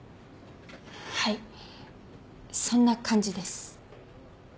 はいそんな感じです。